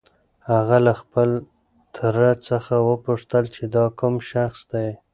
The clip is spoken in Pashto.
هغه له خپل تره څخه وپوښتل چې دا کوم شخص دی؟